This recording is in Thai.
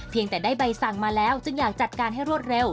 แต่ได้ใบสั่งมาแล้วจึงอยากจัดการให้รวดเร็ว